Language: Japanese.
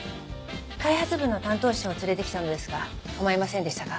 開発部の担当者を連れてきたのですが構いませんでしたか？